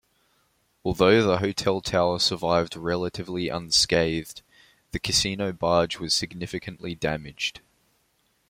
Although the hotel tower survived relatively unscathed, the casino barge was significantly damaged.